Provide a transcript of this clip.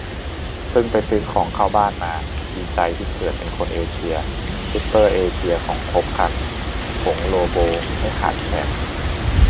เพิ่งไปซื้อของเข้าบ้านมา ดีใจที่เกิดเป็นคนเอเชีย ซูเปอร์เอเชียของครบครัน ผงโลโบไม่ขาดแคลน